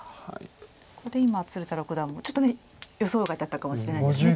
ここで今鶴田六段もちょっとね予想外だったかもしれないですね。